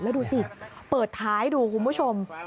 แล้วดูสิเปิดท้ายดูคุณผู้ชม